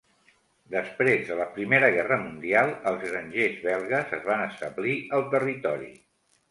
Després de la Primera Guerra Mundial, els grangers belgues es van establir al territori.